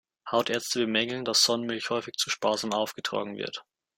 Hautärzte bemängeln, dass Sonnenmilch häufig zu sparsam aufgetragen wird.